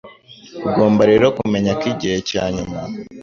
Ugomba rero kumenya ko igihe cyanyuma